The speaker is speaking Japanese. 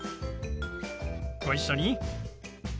ご一緒に。